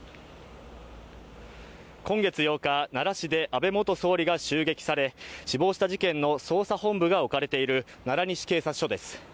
今月８日奈良市で安倍元総理が襲撃され死亡した事件の捜査本部が置かれている奈良西警察署です